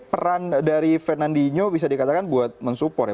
peran dari fernandinho bisa dikatakan buat mensupport ya